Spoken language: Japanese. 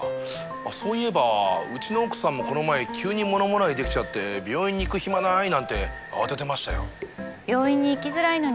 そういえばうちの奥さんもこの前急にものもらいできちゃって病院に行く暇ない！なんて慌ててましたよ。